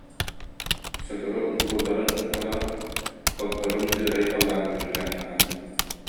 Сотору бугулларын ыһыталаан, отторун кыырай халлааҥҥа көтүтэн таһаарбыт